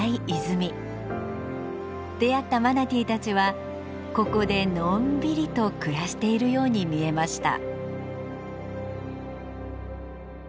出会ったマナティーたちはここでのんびりと暮らしているように見えました。